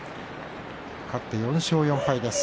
勝って４勝４敗です。